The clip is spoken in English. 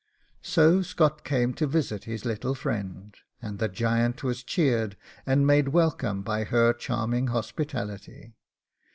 So Scott came to visit his little friend, and the giant was cheered and made welcome by her charming hospitality.